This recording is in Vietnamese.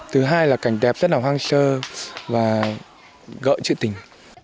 thứ hai là cảnh đẹp rất là hoang sơ và gợi chữ tình